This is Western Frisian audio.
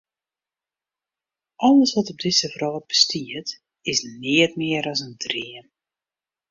Alles wat op dizze wrâld bestiet, is neat mear as in dream.